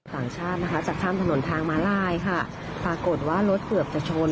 ต่างชาตินะคะจะข้ามถนนทางมาลายค่ะปรากฏว่ารถเกือบจะชน